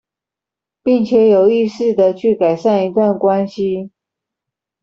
並且有意識地去改善一段關係